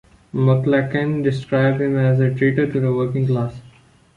McLachlan described him as "a traitor" to the working class.